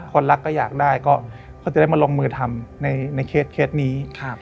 คนรักก็อยากได้ก็จะได้มาลงมือทำในเคสนี้